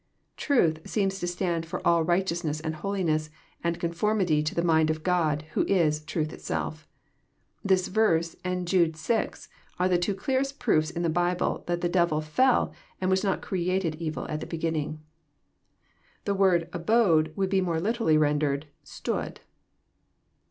Truth " seems to stand for all righteousness, and holiness, and conformity to the mind of God, who is " Truth itself." This verse, and Jode 6, are the two clearest proofs in the Bible that the devil fell, and was not created evil at the beginning. The word "abode" would be more literally rendered. «« stood."